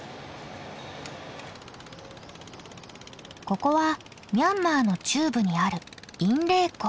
ここはミャンマーの中部にあるインレー湖。